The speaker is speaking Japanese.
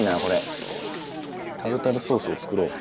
タルタルソースを作ろう。